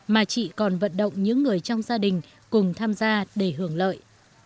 mà chị còn vận động những người trong gia đình cùng tham gia để hưởng lợi